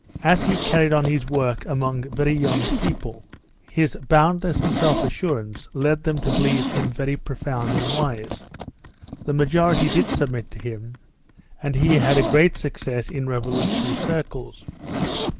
As he carried on his work among very young people, his boundless self assurance led them to believe him very profound and wise; the majority did submit to him, and he had a great success in revolutionary circles.